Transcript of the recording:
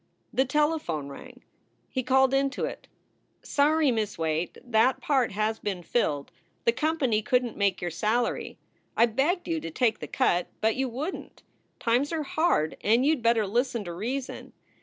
The telephone rang. He called into it: "Sony, Miss Waite; that part has been filled. The company couldn t make your salary. I begged you to take the cut, but you wouldn t. Times are hard and you d better listen to reason.